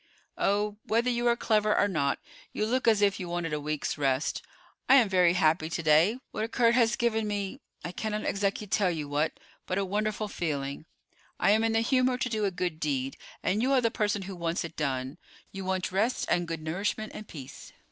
"Oh, whether you are clever or not, you look as if you wanted a week's rest. I am very happy to day—what occurred has given me—I cannot exactly tell you what, but a wonderful feeling. I am in the humor to do a good deed, and you are the person who wants it done to. You want rest and good nourishment and peace.